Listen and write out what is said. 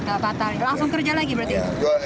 nggak fatal langsung kerja lagi berarti